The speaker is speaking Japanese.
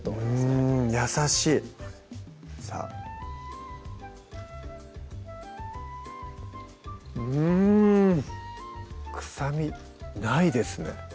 うん優しいさぁうん臭みないですね